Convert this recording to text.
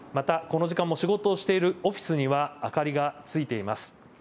また、この時間も仕事をしているオフィスには明かりがついてます。